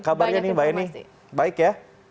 kabarnya nih mbak eni baik ya